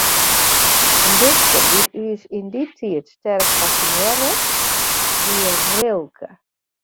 In dichter dy't ús yn dy tiid sterk fassinearre, wie Rilke.